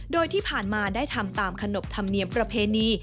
โดยที่ผ่านมาได้ทำตามขนบธรรมเนียมประเพณี